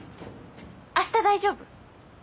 あした大丈夫？